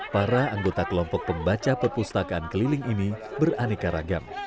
para anggota kelompok pembaca perpustakaan keliling ini beraneka ragam